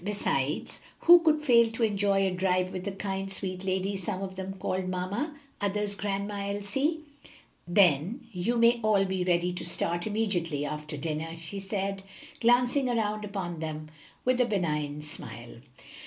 Besides, who could fail to enjoy a drive with the kind, sweet lady some of them called mamma, others Grandma Elsie? "Then you may all be ready to start immediately after dinner," she said, glancing around upon them with a benign smile.